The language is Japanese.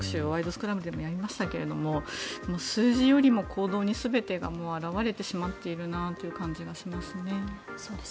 スクランブル」でもやりましたが数字よりも行動に全てが表れてしまっているなという感じがしますね。